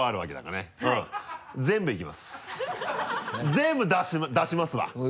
全部出しますわ全部。